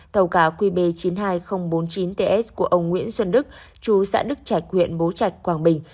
tàu cá qb chín mươi hai nghìn bốn mươi chín ts của ông nguyễn xuân đức chú xã đức trạch huyện bố trạch quảng bình